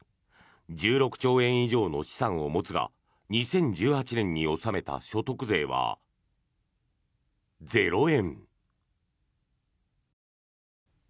１６兆円以上の資産を持つが２０１８年に収めた所得税は０円。